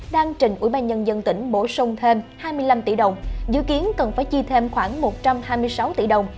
đang trình ubnd tỉnh bổ sung thêm hai mươi năm tỷ đồng dự kiến cần phải chi thêm khoảng một trăm hai mươi sáu tỷ đồng